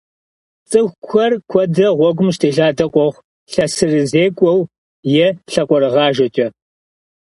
Цӏыкӏухэр куэдрэ гъуэгум къыщытелъадэ къохъу лъэсырызекӀуэу е лъакъуэрыгъажэкӏэ.